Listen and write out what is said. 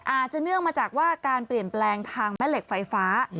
เนื่องมาจากว่าการเปลี่ยนแปลงทางแม่เหล็กไฟฟ้า